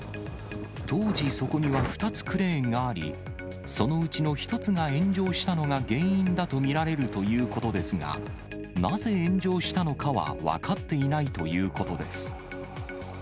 当時そこには２つクレーンがあり、そのうちの１つが炎上したのが原因だと見られるということですが、なぜ炎上したのかは分かっていないということです。